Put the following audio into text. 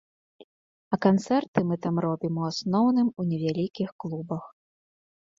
А канцэрты мы там робім у асноўным у невялікіх клубах.